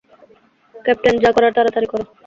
Captain, যা করার তাড়াতাড়ি করো!